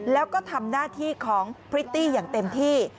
แล้วก็ทำหน้าที่ของพริตตี้อย่างเต็มที่